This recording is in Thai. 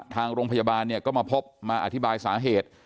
ทางลงพยาบาลก็มาพบมาอธิบายสาเหตุ